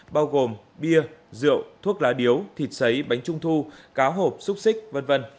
bao gồm bia rượu thuốc lá điếu thịt xấy bánh trung thu cá hộp xúc xích v v